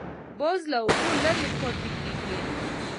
باز له اوبو لرې پاتې کېږي